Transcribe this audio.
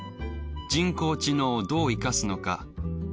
人工知能をどう生かすのか。